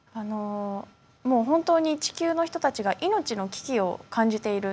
本当に地球の人たちが命の危機を感じている。